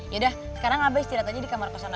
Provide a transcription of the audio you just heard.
yaudah sekarang abah istirahat aja di kamar kosong aku ya